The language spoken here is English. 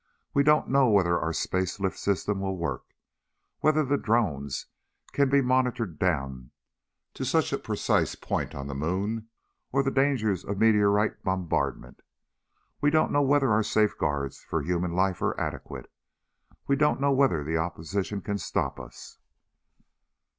"We don't know whether our space lift system will work, whether the drones can be monitored down to such a precise point on the moon, or the dangers of meteorite bombardment. We don't know whether our safeguards for human life are adequate. We don't know whether the opposition can stop us....